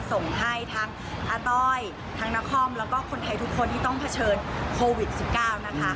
ส่งให้ทั้งอาต้อยทั้งนครแล้วก็คนไทยทุกคนที่ต้องเผชิญโควิด๑๙นะคะ